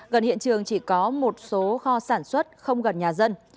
gần hiện trường chỉ có một số kho sản xuất không gần nhà dân